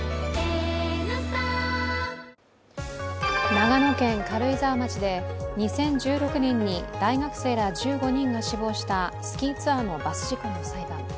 長野県軽井沢町で２０１６年に大学生１５人が死亡したスキーツアーのバス事故の裁判。